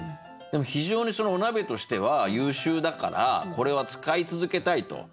でも非常にお鍋としては優秀だからこれは使い続けたいと。